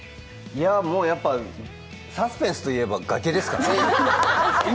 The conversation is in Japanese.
もうサスペンスといえば崖ですから。